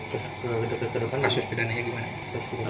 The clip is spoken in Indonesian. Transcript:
kedepan kasus bedanya gimana